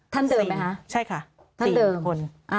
ท่านเดิมไหมคะท่านเดิมใช่ค่ะสี่คน